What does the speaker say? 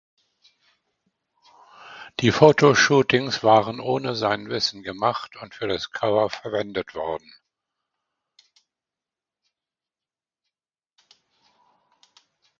Die Fotoshootings waren ohne sein Wissen gemacht und für das Cover verwendet worden.